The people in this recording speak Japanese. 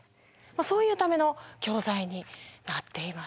そういうための教材になっています。